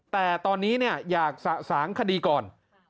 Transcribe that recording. แต่ตอนนี้อยากสะสางคดีก่อน